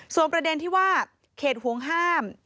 ส่วนประเด็นที่ว่าเขตห่วงห้าม